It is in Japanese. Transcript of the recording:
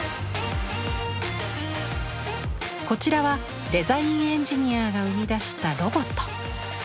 こちらはデザインエンジニアが生み出したロボット。